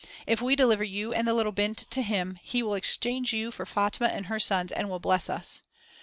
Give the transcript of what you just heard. If we deliver you and the little 'bint' to him, he will exchange you for Fatma and her sons and will bless us.